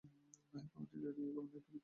Community radio হচ্ছে কমিউনিটিভিত্তিক radio.